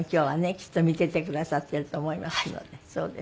きっと見ていてくださっていると思いますので。